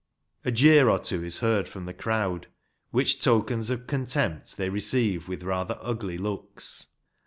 A jeer or two is heard from the crowd, which tokens of contempt they receive with rather ugly looks.